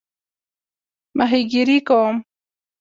ماهیګیري کوم؟